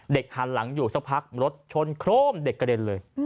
หันหลังอยู่สักพักรถชนโครมเด็กกระเด็นเลย